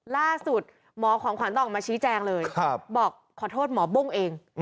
ล่าสุดหมอของขวัญต้องออกมาชี้แจงเลยบอกขอโทษหมอบุ้งเอง